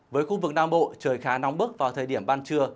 với khu vực nam bộ trời khá nóng bức vào thời điểm ban trưa